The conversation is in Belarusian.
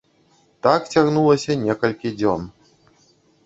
Так цягнулася некалькі дзён.